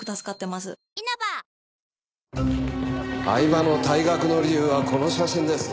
饗庭の退学の理由はこの写真です。